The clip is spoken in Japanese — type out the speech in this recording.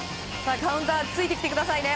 カウンターついてきてくださいね。